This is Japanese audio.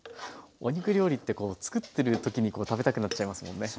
お肉料理って作ってる時にこう食べたくなっちゃいますもんね。